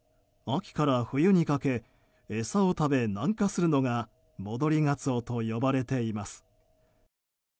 秋から冬にかけ餌を食べ南下するのが戻りガツオと呼ばれています。